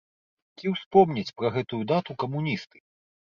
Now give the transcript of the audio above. Ці успомняць пра гэтую дату камуністы?